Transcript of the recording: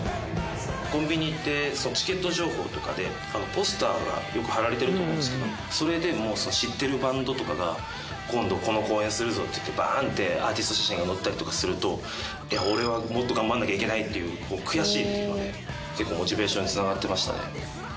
コンビニってチケット情報とかでポスターがよく貼られてると思うんですけどそれで知ってるバンドとかが今度この公演するぞっていってバーンってアーティスト写真が載ったりとかするといや俺はもっと頑張らなきゃいけないっていう悔しいっていうので結構モチベーションに繋がってましたね。